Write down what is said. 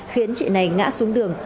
khiến chị này ngã xuống đường